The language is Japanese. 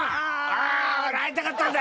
あおれ会いたかったんだ！